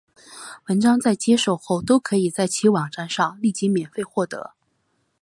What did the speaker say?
文章在接受后都可以在其网站上立即免费获得。